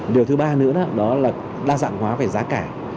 điều thứ ba nữa đó là đa dạng hóa về giá cả